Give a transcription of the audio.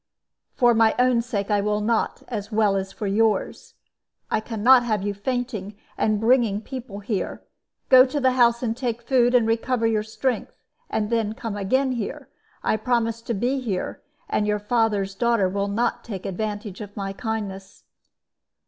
"For my own sake I will not, as well as for yours. I can not have you fainting, and bringing people here. Go to the house and take food, and recover your strength, and then come here again. I promise to be here, and your father's daughter will not take advantage of my kindness."